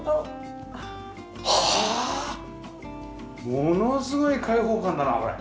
ものすごい開放感だなこれ。